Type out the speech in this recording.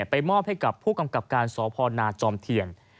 ไปมอบให้กับผู้กำกับการสพนาจอมเทียน